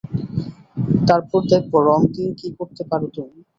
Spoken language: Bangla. তারপর দেখবো রঙ দিয়ে কী করতে পারো তুমি।